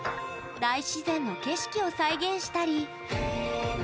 大自然の景色を再現したり。